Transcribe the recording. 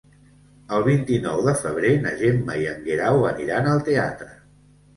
El vint-i-nou de febrer na Gemma i en Guerau aniran al teatre.